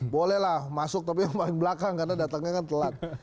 boleh lah masuk tapi yang paling belakang karena datangnya kan telat